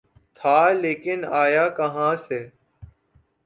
تھا‘ لیکن آیا کہاں سے؟